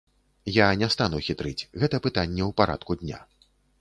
Я не стану хітрыць, гэта пытанне ў парадку дня.